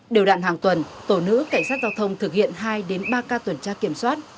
điều đạn hàng tuần tổ nữ cảnh sát giao thông thực hiện hai ba ca tuần tra kiểm soát